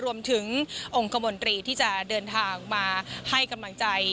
รวมถึงองค์คมนตรีที่จะเดินทางมาให้กำลังใจ